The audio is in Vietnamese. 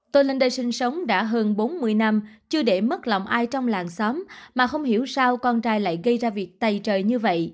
tôi lên đây sinh sống đã hơn bốn mươi năm chưa để mất lòng ai trong làng xóm mà không hiểu sao con trai lại gây ra việc tày trời như vậy